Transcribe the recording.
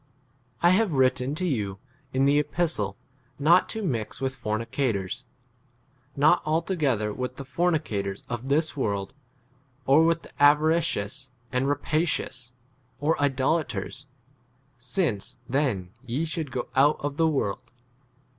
9 I have written to you in the epistle not to mix with fornica 10 tors ; y not altogether with the fornicators of this world, or with the avaricious, and 2 rapacious, or idolaters, since [then] ye should 11 go out of the world.